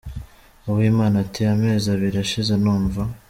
Uwimana ati “Amezi abiri ashize numva